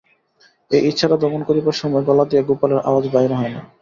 এই ইচ্ছাটা দমন করিবার সময় গলা দিয়া গোপালের আওয়াজ বাহির হয় না।